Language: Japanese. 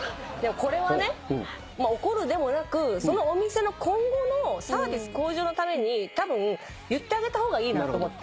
これはね怒るでもなくそのお店の今後のサービス向上のためにたぶん言ってあげた方がいいなと思って。